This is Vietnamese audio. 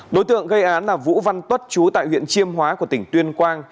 đối tượng gây án là vũ văn tuất chú tại huyện chiêm hóa của tỉnh tuyên quang